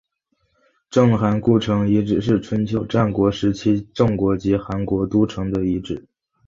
郑韩故城遗址是春秋战国时期郑国及韩国都城的遗址。